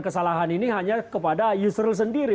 kesalahan ini hanya kepada yusril sendiri